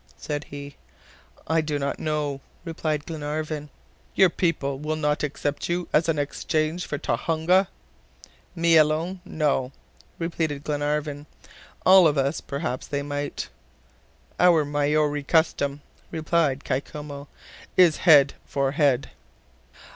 said he. "I do not know," replied Glenarvan. "Your people will not accept you as an exchange for Tohonga?" "Me alone? no," repeated Glenarvan. "All of us perhaps they might." "Our Maori custom," replied Kai Koumou, "is head for head."